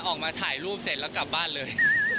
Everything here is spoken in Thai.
ออกมาถ่ายรูปเสร็จแล้วกลับบ้านเลย